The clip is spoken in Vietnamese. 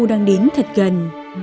đang đến thật gần